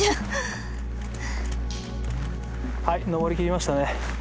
はい登りきりましたね。